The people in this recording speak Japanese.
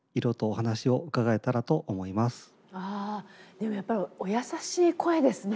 でもやっぱりお優しい声ですね。